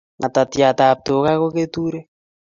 Ngetetiat ab tuga ko keturek